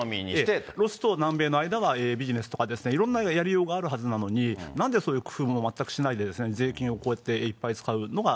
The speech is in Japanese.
ロスと南米の間はビジネスとか、いろんなやりようがあるはずなのに、なんでそういう工夫も全くしないで、税金をこうやっていっぱい使うのが、